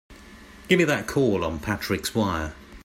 Give me that call on Patrick's wire!